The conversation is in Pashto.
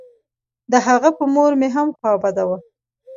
د هغه په مور مې هم خوا بده وه.